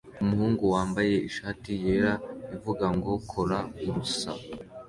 Umuhungu wambaye ishati yera ivuga ngo "Kora Urusaku